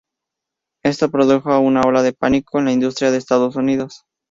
Esto produjo una ola de pánico en la industria de Estados Unidos.